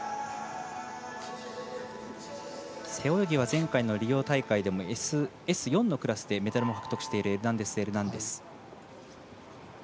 背泳ぎは前回のリオ大会でもＳ４のクラスでメダルを獲得しているエルナンデスエルナンデス。